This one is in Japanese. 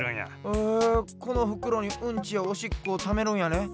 へえこのふくろにうんちやおしっこをためるんやね。